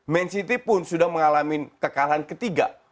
man city pun sudah mengalami kekalahan ketiga